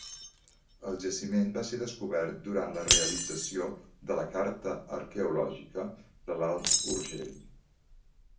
El jaciment va ser descobert durant la realització de la Carta Arqueològica de l'Alt Urgell.